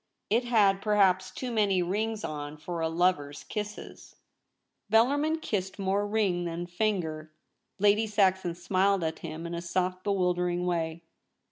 It had perhaps too many rings on for a lover's kisses ; Bellarmin kissed more ring than finger. Lady Saxon smiled at him in a soft, bewildering way.